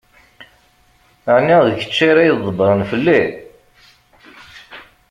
Ɛni d kečč ara ydebbṛen fell-i?